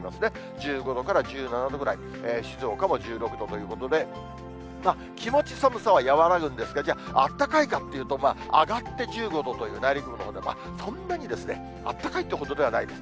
１５度から１７度くらい、静岡も１６度ということで、気持ち寒さは和らぐんですが、じゃああったかいかっていうと、上がって１５度という、内陸部のほうでは、そんなにあったかいというほどではないです。